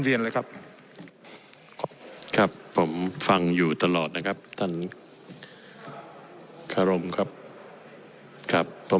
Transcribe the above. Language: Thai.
เรียนเลยครับครับครับผมฟังอยู่ตลอดนะครับท่านคารมครับครับผม